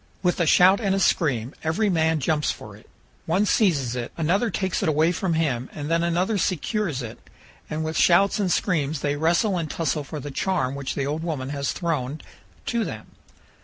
With a shout and a scream, every man jumps for it; one seizes it, another takes it away from him, and then another secures it; and with shouts and screams they wrestle and tussle for the charm which the old woman has thrown to them.